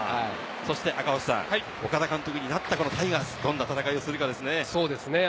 赤星さん、岡田監督になったタイガース、どんな戦いをするかですね。